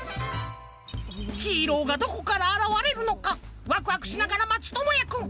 ヒーローがどこからあらわれるのかワクワクしながらまつともやくん。